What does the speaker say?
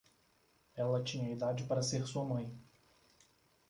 Ela tinha idade para ser sua mãe.